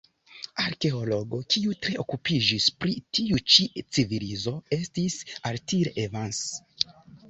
Arkeologo kiu tre okupiĝis pri tiu ĉi civilizo estis Arthur Evans.